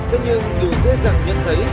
thế nhưng đủ dễ dàng nhận thấy